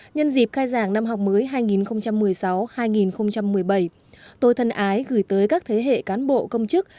nhân dịp khai giảng năm học mới hai nghìn một mươi sáu hai nghìn một mươi bảy tôi thân ái gửi tới các thế hệ cán bộ công chức